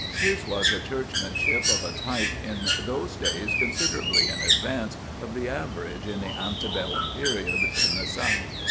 His was a churchmanship of a type in those days considerably in advance of the average in the ante bellum period in the South.